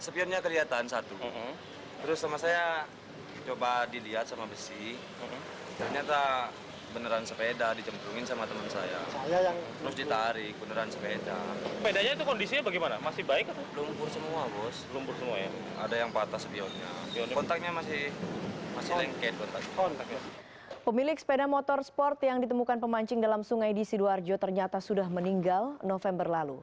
pemilik sepeda motor sport yang ditemukan pemancing dalam sungai di sidoarjo ternyata sudah meninggal november lalu